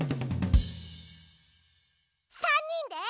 ３にんで。